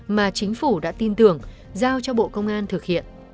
mà chính phủ đã tin tưởng giao cho bộ công an thực hiện